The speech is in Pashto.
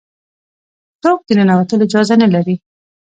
څوک د ننوتلو اجازه نه لري.